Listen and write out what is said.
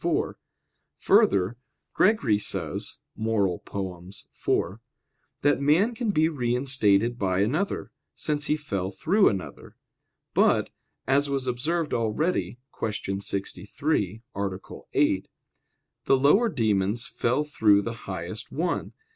4: Further, Gregory says (Moral. iv) that man can be reinstated by another, since he fell through another. But, as was observed already (Q. 63, A. 8), the lower demons fell through the highest one.